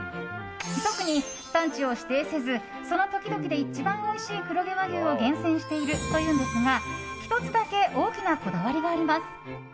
特に産地を指定せずその時々で一番おいしい黒毛和牛を厳選しているというんですが１つだけ大きなこだわりがあります。